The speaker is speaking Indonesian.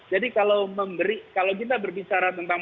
jadi kalau kita berbicara tentang